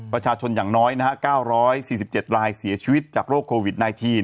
อย่างน้อย๙๔๗รายเสียชีวิตจากโรคโควิด๑๙